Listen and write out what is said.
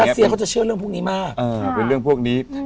ที่รัสเซียเขาจะเชื่อเรื่องพวกนี้มาก